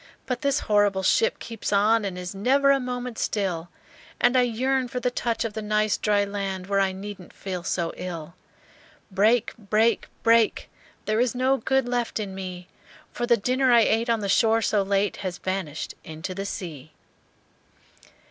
"But this horrible ship keeps on, And is never a moment still, And I yearn for the touch of the nice dry land, Where I needn't feel so ill! "Break! break! break! There is no good left in me; For the dinner I ate on the shore so late Has vanished into the sea!"